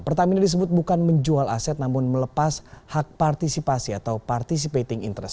pertamina disebut bukan menjual aset namun melepas hak partisipasi atau participating interest